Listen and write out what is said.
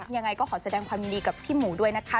ยังไงก็ขอแสดงความยินดีกับพี่หมูด้วยนะคะ